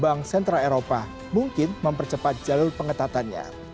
bahwa bank sentral eropa mungkin mempercepat jalur pengetahuan